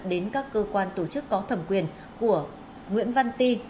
đến các cơ quan tổ chức có thẩm quyền của nguyễn văn ti